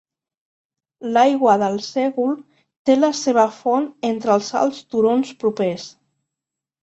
L'aigua del sègol té la seva font entre els alts turons propers.